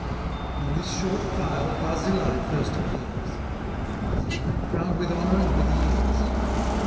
In this short file Barzillai first appears; Barzillai, crown'd with honour and with years.